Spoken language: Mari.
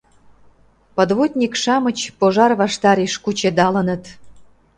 Подводник-шамыч пожар ваштареш «кучедалыныт».